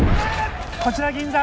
こちら銀座。